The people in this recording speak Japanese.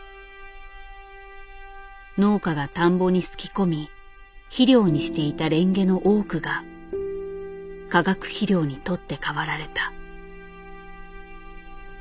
農家が田んぼにすき込み肥料にしていたレンゲの多くが化学肥料に取って代わられた。